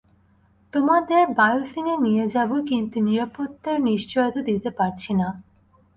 তোমাদের বায়োসিনে নিয়ে যাবো কিন্তু নিরাপত্তার নিশ্চয়তা দিতে পারছি না।